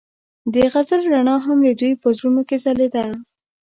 د غزل رڼا هم د دوی په زړونو کې ځلېده.